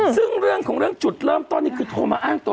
ซึ่งเรื่องของเรื่องจุดเริ่มต้นนี่คือโทรมาอ้างตัว